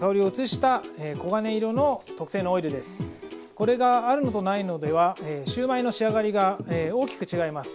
これがあるのとないのではシューマイの仕上がりが大きく違います。